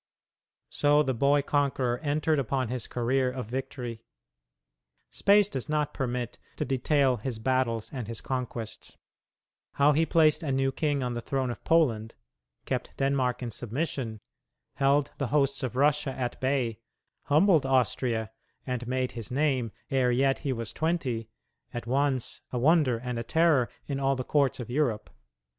So the boy conqueror entered upon his career of victory. Space does not permit to detail his battles and his conquests. How he placed a new king on the throne of Poland, kept Denmark in submission, held the hosts of Russia at bay, humbled Austria, and made his name, ere yet he was twenty, at once a wonder and a terror in all the courts of Europe.